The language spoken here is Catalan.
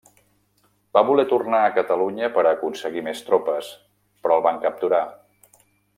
Va voler tornar a Catalunya per a aconseguir més tropes, però el van capturar.